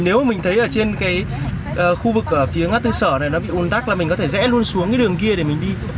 nếu mà mình thấy ở trên cái khu vực ở phía ngã tư sở này nó bị ùn tắc là mình có thể rẽ luôn xuống cái đường kia để mình đi